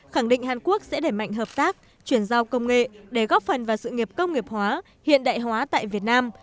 khẳng định hàn quốc sẽ đẩy mạnh hợp tác chuyển giao công nghệ để góp phần vào sự nghiệp công nghiệp hóa hiện đại hóa tại việt nam